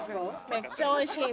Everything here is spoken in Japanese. ・めっちゃおいしい！